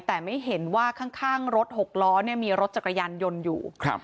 แต่ไม่เห็นว่าข้างรถหกล้อเนี่ยมีรถจักรยานยนต์อยู่ครับ